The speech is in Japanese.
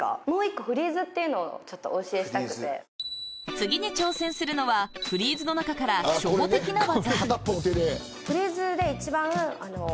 次に挑戦するのはフリーズの中から初歩的な技。